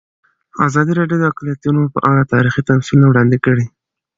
ازادي راډیو د اقلیتونه په اړه تاریخي تمثیلونه وړاندې کړي.